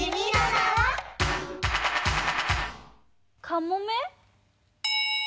カモメ？